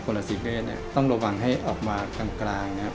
คนละสี่เมฆต้องระวังให้ออกมากลาง